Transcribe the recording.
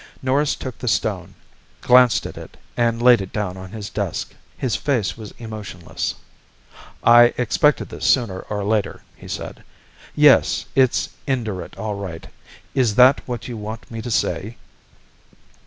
Norris took the stone, glanced at it and laid it down on his desk. His face was emotionless. "I expected this sooner or later," he said. "Yes, it's Indurate all right. Is that what you want me to say?"